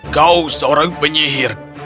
kau seorang penyihir